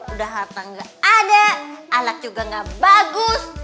udah harta ga ada alat juga ga bagus